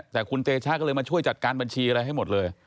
แต่คุณเตชะก็เลยมาช่วยจัดการบัญชีอะไรให้หมดเลย